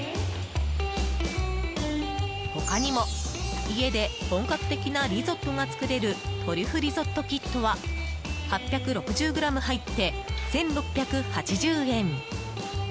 他にも、家で本格的なリゾットが作れるトリュフリゾットキットは８６０ｇ入って、１６８０円。